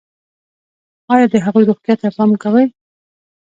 ایا د هغوی روغتیا ته پام کوئ؟